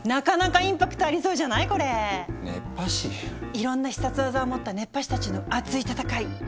いろんな必殺技を持った熱波師たちのアツい戦い。